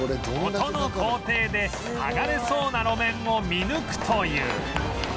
音の高低で剥がれそうな路面を見抜くという